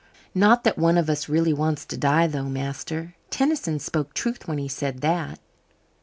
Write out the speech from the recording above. Not that one of us really wants to die, though, master. Tennyson spoke truth when he said that.